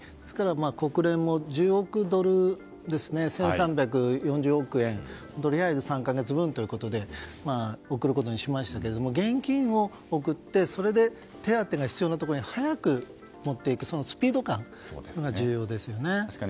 国連も、１０億ドル１３４０億円をとりあえず３か月分ということで送ることにしましたけど現金を送って、それで手当てが必要なところに早く持っていくスピード感が重要ですね。